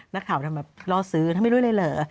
นักข่าวทำแบบล่อซื้อถ้าไม่รู้เลยเหรอ